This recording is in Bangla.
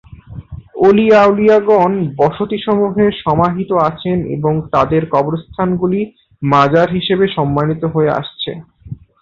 অলি-আউলিয়াগণ বসতিসমূহে সমাহিত আছেন এবং তাঁদের কবরস্থানগুলি মাযার হিসেবে সম্মানিত হয়ে আসছে।